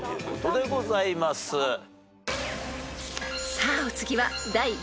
［さあお次は］